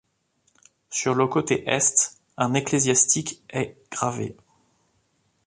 Sur le côté Est, un ecclésiastique est gravé.